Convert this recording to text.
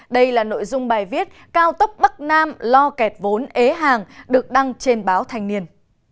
đây là nội dung bài viết cao tốc bắc nam lo kẹt vốn ế hàng được đăng trên báo thanh niên